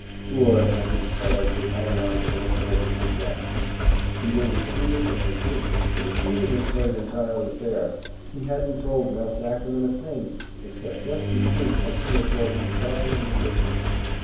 Lord, how these fellows did hang on to their sources of graft! Peter repeated and insisted that he really had played entirely fair he hadn't told Nelse Ackerman a thing except just the truth as he had told it to Guffey and McGivney.